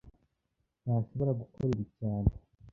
Ntashobora gukora ibi cyane